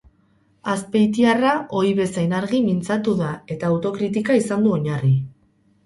Azpeitiarra ohi bezain argi mintzatu da eta autokritika izan du oinarri.